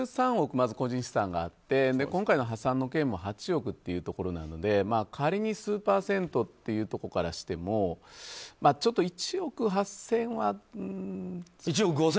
まず個人資産があって今回の破産の件も８億ってところなので仮に数パーセントというところからしても１億５０００？